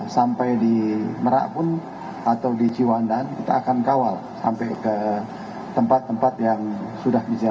sampai di merak pun atau di ciwandan kita akan kawal sampai ke tempat tempat yang sudah disiapkan